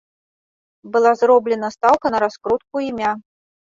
Была зроблена стаўка на раскрутку імя.